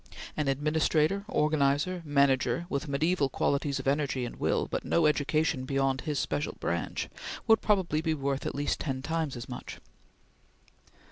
An administrator, organizer, manager, with mediaeval qualities of energy and will, but no education beyond his special branch, would probably be worth at least ten times as much.